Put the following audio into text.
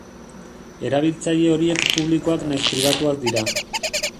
Erabiltzaile horiek publikoak nahiz pribatuak dira.